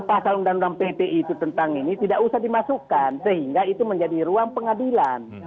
pasal undang undang ppi itu tentang ini tidak usah dimasukkan sehingga itu menjadi ruang pengadilan